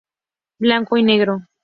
Blanco y negro.